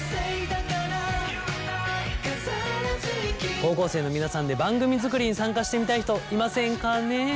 高校生の皆さんで番組作りに参加してみたい人いませんかね。